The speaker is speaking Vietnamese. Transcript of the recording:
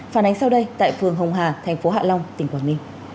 phản ánh sau đây tại phường hồng hà tp hạ long tp hcm